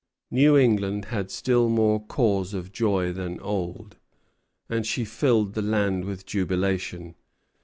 New England had still more cause of joy than Old, and she filled the land with jubilation.